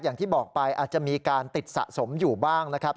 อย่างที่บอกไปอาจจะมีการติดสะสมอยู่บ้างนะครับ